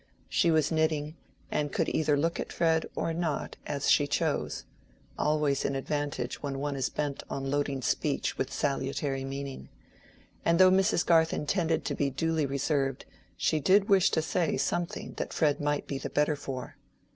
She was knitting, and could either look at Fred or not, as she chose—always an advantage when one is bent on loading speech with salutary meaning; and though Mrs. Garth intended to be duly reserved, she did wish to say something that Fred might be the better for.